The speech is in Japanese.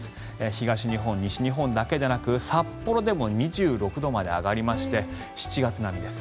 東日本、西日本だけでなく札幌でも２６度まで上がりまして７月並みです。